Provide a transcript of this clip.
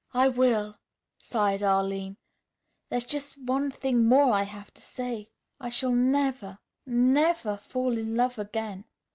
"I will," sighed Arline. "There's just one thing more I have to say. I shall never, never fall in love again.